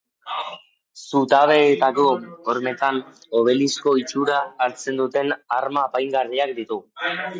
Zutabeetako hormetan obelisko itxura hartzen duten arma apaingarriak ditu.